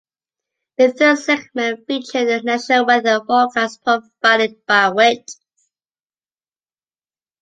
The third segment featured a national weather forecast provided by Witte.